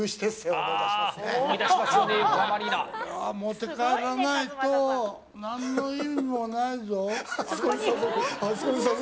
持って帰らないと何の意味もないぞ。